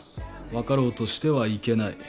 分かろうとしてはいけない。